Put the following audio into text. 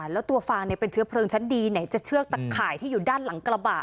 แล้วตัวฟางเป็นเชื้อเพลิงชั้นดีไหนจะเชือกตะข่ายที่อยู่ด้านหลังกระบะ